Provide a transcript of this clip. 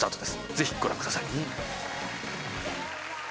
ぜひご覧ください。